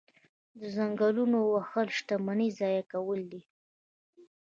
د ځنګلونو وهل شتمني ضایع کول دي.